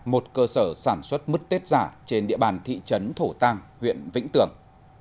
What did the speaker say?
một cơ sở sản xuất mứt tết giả trên địa bàn thị trấn thổ tàng huyện vĩnh tường